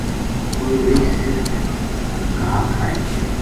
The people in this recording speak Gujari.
کوئی رچھ صرف گھا کھائے